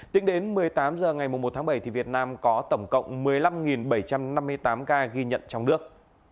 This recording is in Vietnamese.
tính đến một mươi tám h ngày một tháng bảy việt nam có tổng cộng một mươi năm bảy trăm năm mươi tám ca ghi nhận trong nước